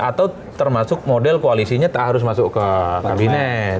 atau termasuk model koalisinya tak harus masuk ke kabinet